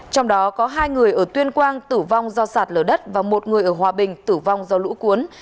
trong đó có hai người ở tuyên quang tử vong do sạt lở đất và một người ở hòa bình tử vong do lũ cuốn